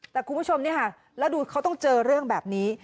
แต่คุณผู้ชมเนี่ยค่ะแล้วดูเขาต้องเจอเรื่องแบบนี้